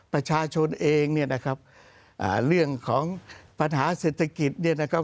ประชาชนเองเนี่ยนะครับอ่าเรื่องของปัญหาเศรษฐกิจเนี่ยนะครับ